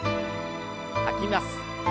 吐きます。